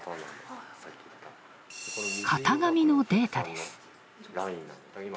型紙のデータです。